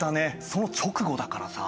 その直後だからさ。